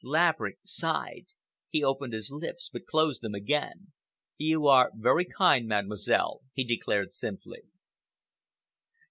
Laverick sighed. He opened his lips but closed them again. "You are very kind, Mademoiselle," he declared simply.